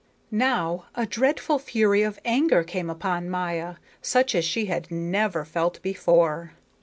Now a dreadful fury of anger came upon Maya, such as she had never felt before.